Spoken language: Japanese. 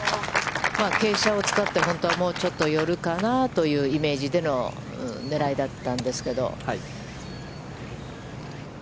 傾斜を使って本当はもうちょっと寄るかなというイメージでの狙いだったんですけど。